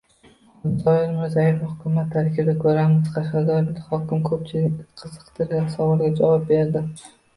Zoir Mirzayevni hukumat tarkibida ko‘ramizmi? Qashqadaryo hokimi ko‘pchilikni qiziqtirgan savolga javob berdi